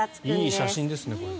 いい写真ですね、これ。